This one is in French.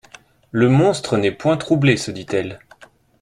Le monstre n'est point troublé, se dit-elle.